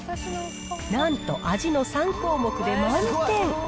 なんと味の３項目で満点。